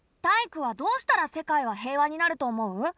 タイイクはどうしたら世界は平和になると思う？